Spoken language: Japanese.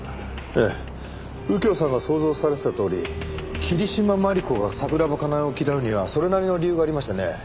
ええ右京さんが想像されてたとおり桐島万里子が桜庭かなえを嫌うにはそれなりの理由がありましたね。